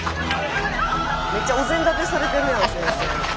めっちゃお膳立てされてるやん先生。